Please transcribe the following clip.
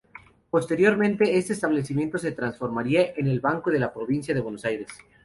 Posteriormente, este establecimiento se transformaría en el Banco de la Provincia de Buenos Aires.